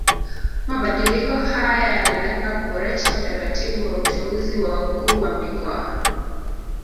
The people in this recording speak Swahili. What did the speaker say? Mabadiliko haya yalilenga kuboresha utaratibu wa uteuzi wa wakuu wa mikoa